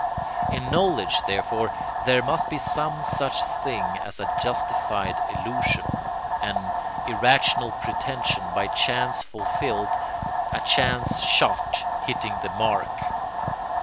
In knowledge, therefore, there must be some such thing as a justified illusion, an irrational pretension by chance fulfilled, a chance shot hitting the mark.